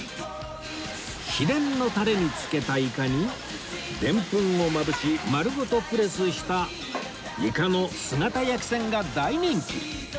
秘伝のタレに漬けたイカにでんぷんをまぶし丸ごとプレスしたいかの姿焼せんが大人気